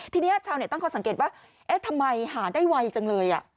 ทีนี้ชาวตั้งข้อสังเกตว่าทำไมหาได้วัยจังเลย